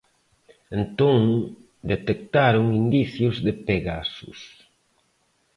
Entón detectaron indicios de 'Pegasus'.